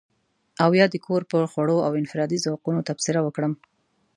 او يا د کور پر خوړو او انفرادي ذوقونو تبصره وکړم.